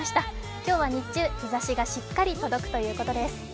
今日は日中、日ざしがしっかり届くということです。